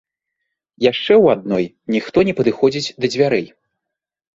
Яшчэ ў адной ніхто не падыходзіць да дзвярэй.